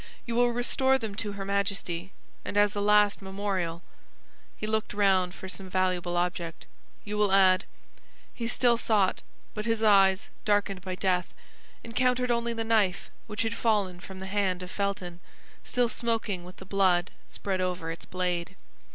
You will restore them to her Majesty; and as a last memorial"—he looked round for some valuable object—"you will add—" He still sought; but his eyes, darkened by death, encountered only the knife which had fallen from the hand of Felton, still smoking with the blood spread over its blade.